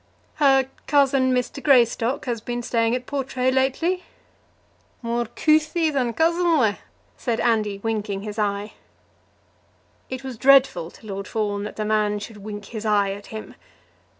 "Her cousin, Mr. Greystock, has been staying at Portray lately?" "More coothie than coosinly," said Andy, winking his eye. It was dreadful to Lord Fawn that the man should wink his eye at him.